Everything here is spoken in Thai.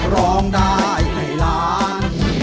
ร้องได้ให้ล้าน